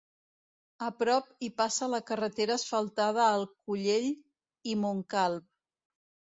A prop hi passa la carretera asfaltada al Collell i Montcalb.